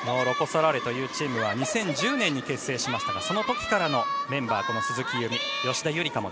ロコ・ソラーレというチームは２０１０年に結成しましたがそのときからのメンバー鈴木夕湖。